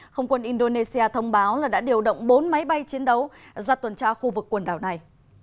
không quân indonesia thông báo là đã điều động bốn máy bay chiến đấu ra tuần tra khu vực quần đảo này